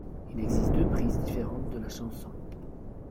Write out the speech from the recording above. Il existe deux prises différentes de la chanson.